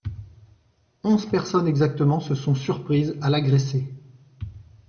Onze personnes exactement se sont surprises à l’agresser.